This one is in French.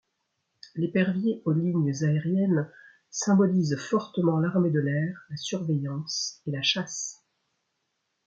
L'épervier aux lignes aériennes symbolise fortement l'Armée de l'air, la surveillance et la chasse.